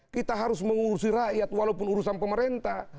kita harus mengurusi rakyat walaupun urusan pemerintah